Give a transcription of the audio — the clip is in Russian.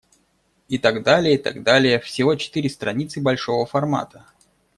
И так далее, и так далее, всего четыре страницы большого формата.